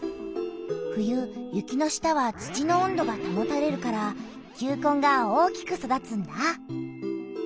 冬雪の下は土の温度がたもたれるから球根が大きく育つんだ！